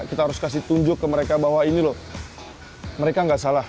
kita harus kasih tunjuk ke mereka bahwa ini loh mereka nggak salah